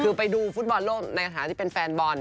ในขณะที่เป็นแฟนบอล